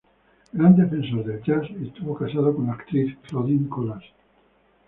Gran defensor del jazz, estuvo casado con la actriz Claudine Collas.